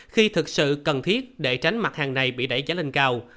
khi thực sự cần thiết để tránh mặt hàng này bị đẩy giá lên cao